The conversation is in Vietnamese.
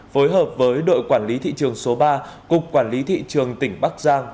phối hợp với đội quản lý thị trường số ba cục quản lý thị trường tỉnh bắc giang